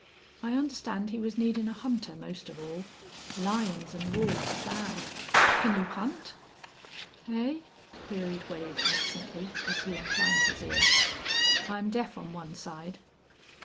I understand he was needin' a hunter most of all. Lions an' wolves bad! Can you hunt?" "Hey?" queried Wade, absently, as he inclined his ear. "I'm deaf on one side."